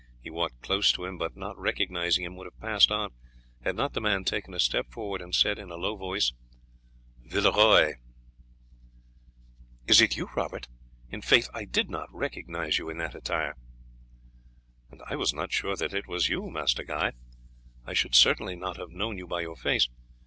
He walked close to him, but not recognizing him would have passed on, had not the man taken a step forward and said in a low voice: "Villeroy!" "Is it you, Robert? In faith I did not recognize you in that attire." "And I was not sure that it was you, Master Guy; I should certainly not have known you by your face.